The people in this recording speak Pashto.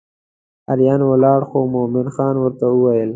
اریان ولاړ خو مومن خان ورته وویل.